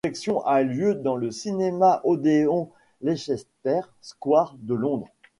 La projection a lieu dans le cinéma Odeon Leicester Square de Londres.